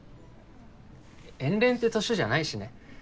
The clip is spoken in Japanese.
遠恋って年じゃないしね